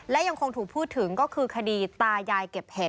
และยังคงถูกพูดถึงก็คือคดีตายายเก็บเห็ด